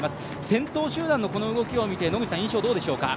先頭集団のこの動きを見て、印象どうでしょうか？